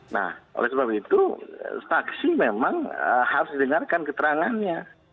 nah oleh sebab itu saksi memang harus didengarkan keterangannya